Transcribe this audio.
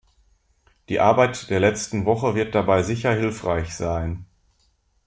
Die Arbeit der letzten Woche wird dabei sicher hilfreich sein.